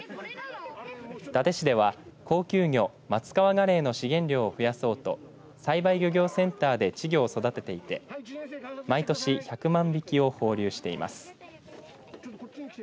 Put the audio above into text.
伊達市では高級魚マツカワガレイの資源量を増やそうと栽培漁業センターで稚魚を育てていて毎年１００万匹を放流しています。